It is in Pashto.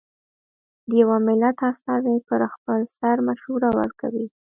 د یوه دولت استازی پر خپل سر مشوره ورکوي.